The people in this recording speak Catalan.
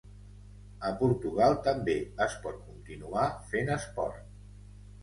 A Portugal també es pot continuar fent esport.